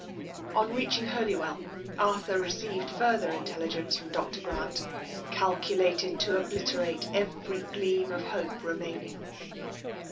On reaching Holywell, Arthur received further intelligence from Dr. Grants calculated to obliterate every gleam of hope remaiung.